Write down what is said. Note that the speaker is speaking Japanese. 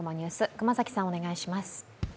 熊崎さん、お願いします。